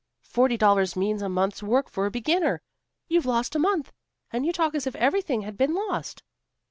Forty dollars means a month's work for a beginner. You've lost a month, and you talk as if everything had been lost."